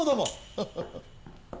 ハハハッ。